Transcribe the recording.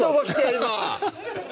今！